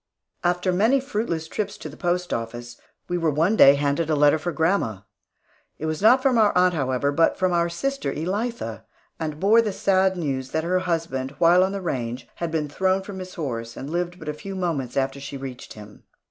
After many fruitless trips to the post office, we were one day handed a letter for grandma. It was not from our aunt, however, but from our sister Elitha, and bore the sad news that her husband, while on the range, had been thrown from his horse, and lived but a few moments after she reached him.